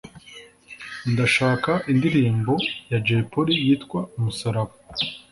Ndashaka indirimbo ya jay polly yitw umusaraba